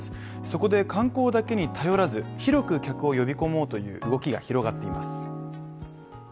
そこで観光だけに頼らず、広く客を呼び込もうという動きが広がっています。